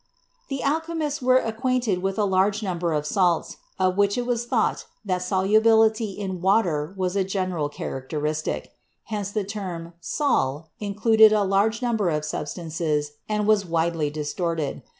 The alchemists were acquainted with a large number of salts, of which it was thought that solubility in water was a general characteristic; hence, the term "sal" included a large number of substances and was widely distorted.